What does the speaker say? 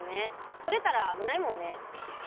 取れたらあぶないもんね。